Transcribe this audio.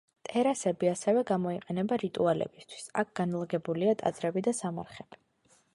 ტერასები ასევე გამოიყენება რიტუალებისთვის, აქ განლაგებულია ტაძრები და სამარხები.